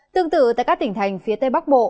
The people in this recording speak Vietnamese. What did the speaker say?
tương tự tại các tỉnh thành phía tây bắc bộ